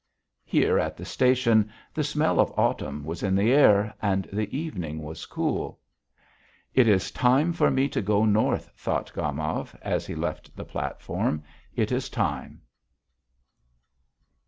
Here at the station, the smell of autumn was in the air, and the evening was cool. "It is time for me to go North," thought Gomov, as he left the platform. "It is time."